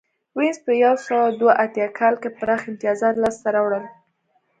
وینز په یو سوه دوه اتیا کال کې پراخ امتیازات لاسته راوړل